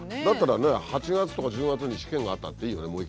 だったらね８月とか１０月に試験があったっていいよね